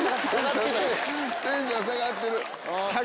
テンション下がってる！